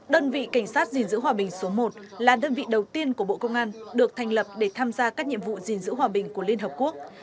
đơn vị cảnh sát gìn giữ hòa bình số một là đơn vị đầu tiên của bộ công an được thành lập để tham gia các nhiệm vụ gìn giữ hòa bình của liên hợp quốc